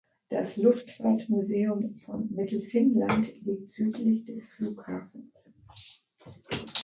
Das Luftfahrtmuseum von Mittelfinnland liegt südlich des Flughafens.